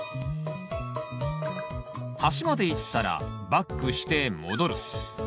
端まで行ったらバックして戻る。